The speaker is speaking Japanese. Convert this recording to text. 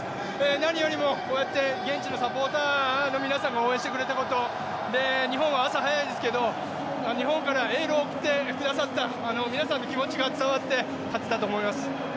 何よりも、こうやって現地のサポーターの皆さんが応援してくれたこと日本は朝早いですけど日本からエールを送ってくださった皆さんの気持ちが伝わって勝てたと思います。